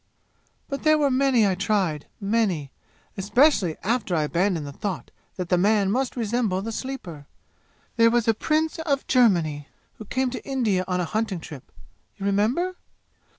"But there were many I tried many especially after I abandoned the thought that the man must resemble the Sleeper. There was a Prince of Germany who came to India on a hunting trip. You remember?"